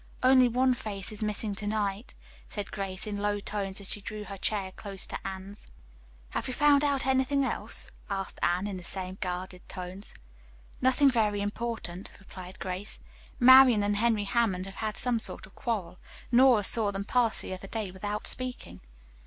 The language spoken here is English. "Only one face missing to night," said Grace in low tones as she drew her chair close to Anne's. "Have you found out anything else?" asked Anne in the same guarded tones. "Nothing very important," replied Grace. "Marian and Henry Hammond have had some sort of quarrel. Nora saw them pass the other day without speaking."